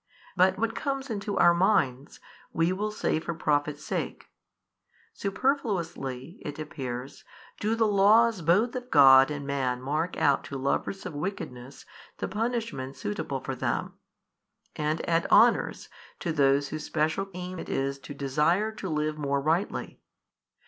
But what comes into our minds, we will say for profit's sake. Superfluously, it appears, do the laws both of God and man mark out to lovers of wickedness the punishments suitable for them, and add honours to those whose special aim it is to desire to live more rightly.